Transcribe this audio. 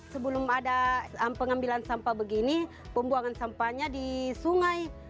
sebelum ada pengambilan sampah begini pembuangan sampahnya di sungai